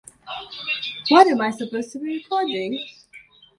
Every finite extension of a finite field is a cyclic extension.